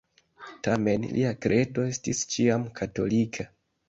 Tamen lia kredo estis ĉiam katolika.